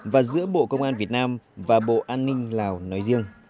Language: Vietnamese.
và giữa bộ công an việt nam và bộ an ninh lào nói riêng